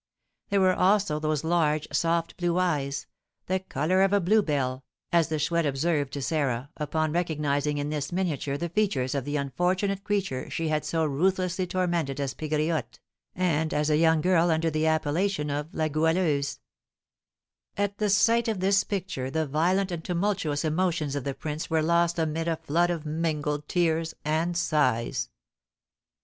There were also those large, soft, blue eyes, "the colour of a blue bell," as the Chouette observed to Sarah, upon recognising in this miniature the features of the unfortunate creature she had so ruthlessly tormented as Pegriotte, and as a young girl under the appellation of La Goualeuse. At the sight of this picture the violent and tumultuous emotions of the prince were lost amid a flood of mingled tears and sighs.